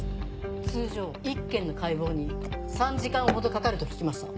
通常１件の解剖に３時間ほどかかると聞きました。